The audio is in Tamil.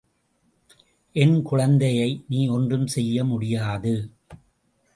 என்குழந்தையை நீ ஒன்றுஞ் செய்ய முடியாது.